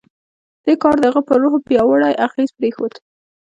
دې کار د هغه پر روح پیاوړی اغېز پرېښود